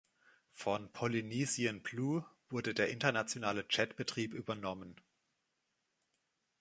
Von Polynesian Blue wurde der internationale Jet-Betrieb übernommen.